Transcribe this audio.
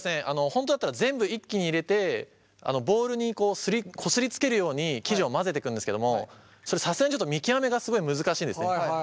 本当だったら全部一気に入れてボウルにこすりつけるように生地を混ぜてくんですけどもそれさすがにちょっと見極めがすごい難しいんですね。